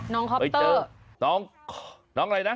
น้องคอปเตอร์น้องน้องอะไรนะ